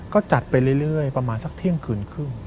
ก็จัดไปเรื่อยประมาณสักเที่ยงคืนครึ่ง